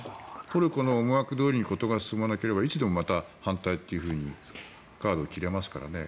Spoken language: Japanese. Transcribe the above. トルコの思惑どおりに事が進まなければいつでもまた反対というふうにカードを切れますからね。